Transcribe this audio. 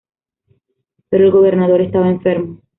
Pero el gobernador estaba enfermo.